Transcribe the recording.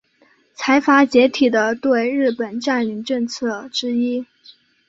财阀解体的对日本占领政策之一。